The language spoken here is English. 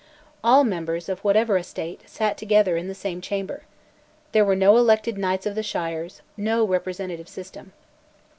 All members, of whatever Estate, sat together in the same chamber. There were no elected Knights of the Shires, no representative system.